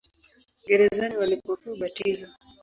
Gerezani walipokea ubatizo.